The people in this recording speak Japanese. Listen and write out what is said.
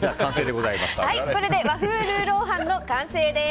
和風ルーロー飯の完成です。